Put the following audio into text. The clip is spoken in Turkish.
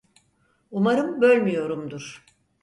Umarım bölmüyorumdur.